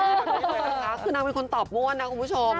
ทำไมเกิดละคะคือนางเป็นคนตอบมวลนะคุณผู้ชม